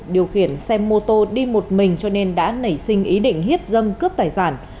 điều khiển xe mô tô đi một mình cho nên đã nảy sinh ý định hiếp dâm cướp tài sản